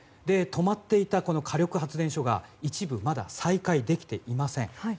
止まっていた火力発電所が一部まだ再開できていません。